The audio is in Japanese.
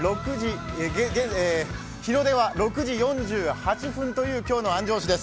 日の出は６時４８分という今日の安城市です。